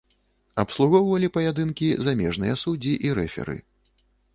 Абслугоўвалі паядынкі замежныя суддзі і рэферы.